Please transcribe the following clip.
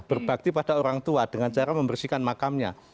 berbakti pada orang tua dengan cara membersihkan makamnya